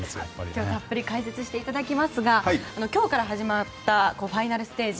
今日はたっぷり解説していただきますが今日から始まったファイナルステージ。